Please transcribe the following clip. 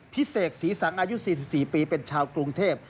เสกศรีสังอายุ๔๔ปีเป็นชาวกรุงเทพ